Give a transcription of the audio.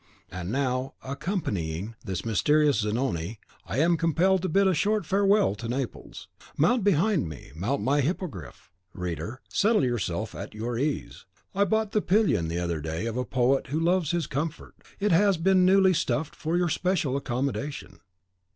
And now, accompanying this mysterious Zanoni, am I compelled to bid a short farewell to Naples. Mount behind me, mount on my hippogriff, reader; settle yourself at your ease. I bought the pillion the other day of a poet who loves his comfort; it has been newly stuffed for your special accommodation.